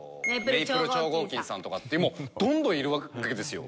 メイプル超合金さんとかってもうどんどんいるわけですよ。